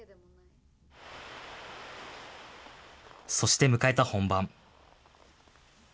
そして迎えた本番。